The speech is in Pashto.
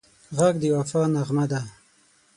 غږ د وفا نغمه ده